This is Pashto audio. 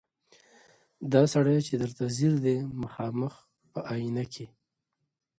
دا سړی چي درته ځیر دی مخامخ په آیینه کي